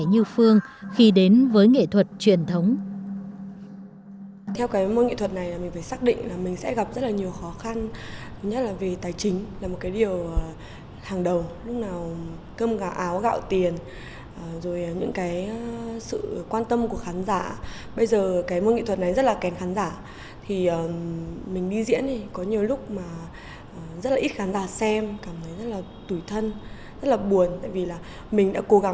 những bạn trẻ như phương khi đến với nghệ thuật truyền thống